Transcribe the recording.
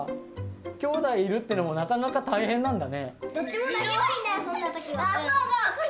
きょうだいいるってのもなかなか大変なんだね。